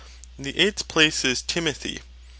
The eighth place is, Timothy 3.